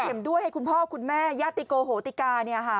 เข็มด้วยให้คุณพ่อคุณแม่ญาติโกโหติกา